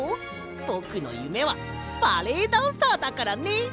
ぼくのゆめはバレエダンサーだからね！